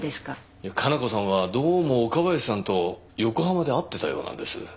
いや加奈子さんはどうも岡林さんと横浜で会ってたようなんです